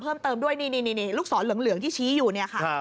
เพิ่มเติมด้วยนี่ลูกศรเหลืองที่ชี้อยู่เนี่ยค่ะ